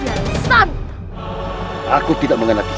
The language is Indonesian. hai kau harus untuk zieg ai